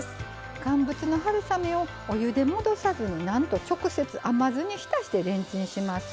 乾物の春雨をお湯で戻さずになんと直接、甘酢に浸してレンチンします。